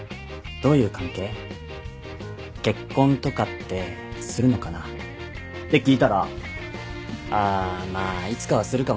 「結婚とかってするのかな？」って聞いたら「あまあいつかはするかもしんないね」